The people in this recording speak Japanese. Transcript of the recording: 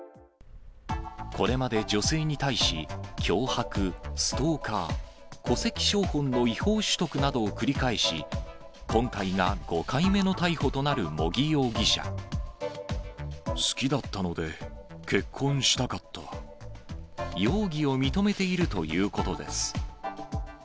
これまで女性に対し、脅迫、ストーカー、戸籍抄本の違法取得などを繰り返し、今回が５回目の逮捕となる茂好きだったので結婚したかっ容疑を認めているということです。